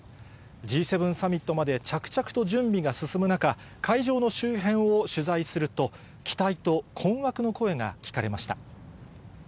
Ｇ７サミットまで着々と準備が進む中、会場の周辺を取材すると、期待と困惑の声が聞かれました。